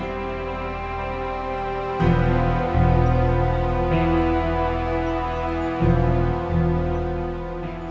tapi kalau ukuran